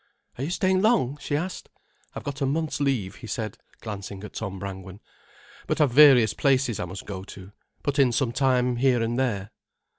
"Are you staying long?" she asked. "I've got a month's leave," he said, glancing at Tom Brangwen. "But I've various places I must go to—put in some time here and there."